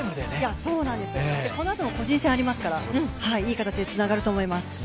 このあとも個人戦ありますからいい形でつながると思います。